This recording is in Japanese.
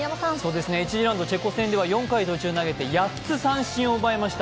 １次ラウンド、チェコ戦では４回途中まで投げて８つ三振を奪いました。